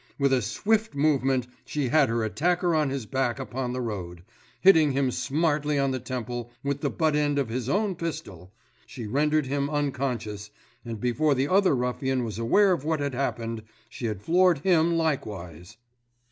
With a swift movement she had her attacker on his back upon the road; hitting him smartly on the temple with the butt end of his own pistol, she rendered him unconscious, and before the other ruffian was aware of what had happened, she had floored him likewise.